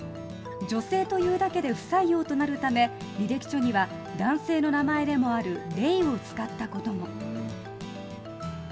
女性というだけで不採用となるため履歴書には男性の名前でもある「レイ」を使ったことも。